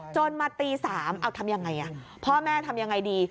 จนมาตี๓ทำอย่างไรพ่อแม่ทำอย่างไรดี